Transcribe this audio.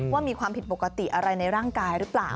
ว่ามีความผิดปกติอะไรในร่างกายหรือเปล่า